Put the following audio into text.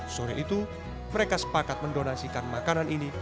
sore itu mereka sepakat mendonasikan makanan ini